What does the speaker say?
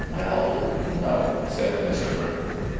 "Well, no," said Mr. Burton.